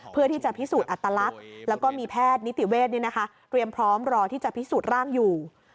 เพื่อที่จะพิสูจน์อัตลักษณ์แล้วก็มีแพทย์นิติเวศเตรียมพร้อมรอที่จะพิสูจน์ร่างอยู่